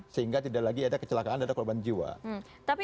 sehingga tidak lagi ada kecelakaan dan ada korban jiwa